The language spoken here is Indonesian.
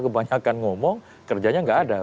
kebanyakan ngomong kerjanya nggak ada